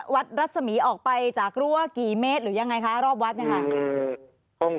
รัศมีร์ออกไปจากรั้วกี่เมตรหรือยังไงคะรอบวัดเนี่ยค่ะ